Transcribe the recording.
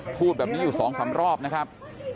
พูดแบบนี้อยู่๒๓รอบนะครับ